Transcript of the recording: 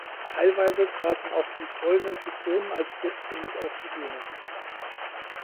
Teilweise traten auch Die Goldenen Zitronen als Gäste mit auf die Bühne.